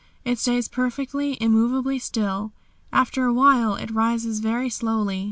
It stays perfectly, immovably still. After a while it rises very slowly.